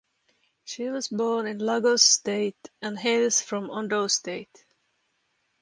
She was born in Lagos State and hails from Ondo State.